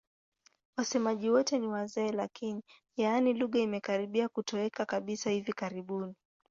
Wasemaji wote ni wazee lakini, yaani lugha imekaribia kutoweka kabisa hivi karibuni.